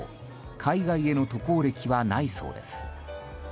海外への渡航歴はないそうです。